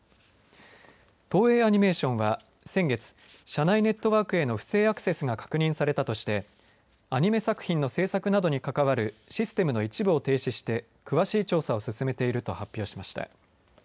東映アニメーションは先月、社内ネットワークへの不正アクセスが確認されたとしてアニメ作品の制作などに関わるシステムの一部を停止して詳しい調査を進めていると発表しました。